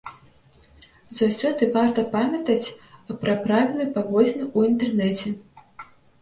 Заўсёды варта памятаць пра правілы паводзін у інтэрнэце.